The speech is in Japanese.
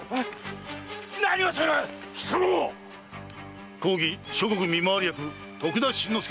何をする⁉貴様は⁉公儀諸国見回り役徳田新之助！